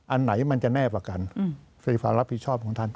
อันไหนมันจะแน่ประกันไฟฟ้ารับผิดชอบของท่าน